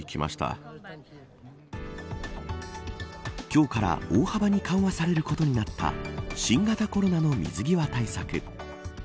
今日から大幅に緩和されることになった新型コロナの水際対策。